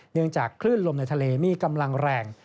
เนื่องจากคลื่นลมในทะเลมีกำลังแรง